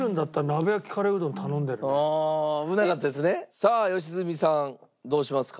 さあ良純さんどうしますか？